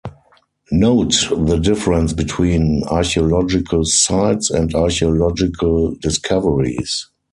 Note the difference between archaeological sites and archaeological discoveries.